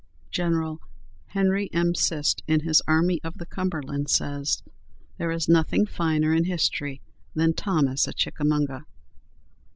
General Henry M. Cist, in his "Army of the Cumberland" says, "There is nothing finer in history than Thomas at Chickamauga."